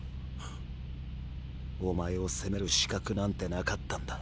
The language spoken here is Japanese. お前を責める資格なんて無かったんだ。